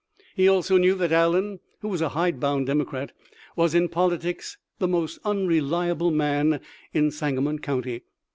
He also knew that Allen, who was a hide bound Democrat, was in politics the most unreliable man in Sangamon county.